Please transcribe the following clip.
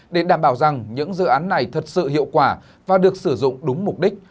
để đảm bảo rằng những dự án này thật sự hiệu quả và được sử dụng đúng mục đích